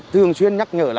thường xuyên nhắc nhở là